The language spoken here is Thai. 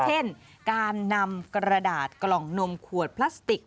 เช่นการนำกระดาษกล่องนมขวดพลาสติก